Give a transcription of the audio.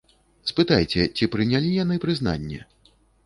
Спытайце, ці прынялі яны прызнанне.